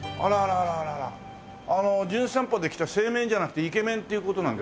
あの『じゅん散歩』で来た製麺じゃなくてイケメンっていう事なんですけども。